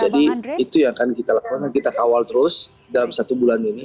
jadi itu yang akan kita lakukan kita kawal terus dalam satu bulan ini